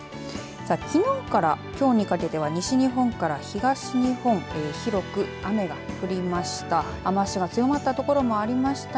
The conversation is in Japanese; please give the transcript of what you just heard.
きのうからきょうにかけては西日本から東日本広く雨が降りました。